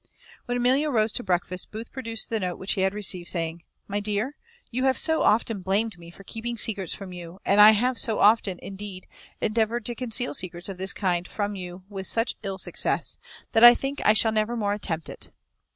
When Amelia rose to breakfast, Booth produced the note which he had received, saying, "My dear, you have so often blamed me for keeping secrets from you, and I have so often, indeed, endeavoured to conceal secrets of this kind from you with such ill success, that I think I shall never more attempt it."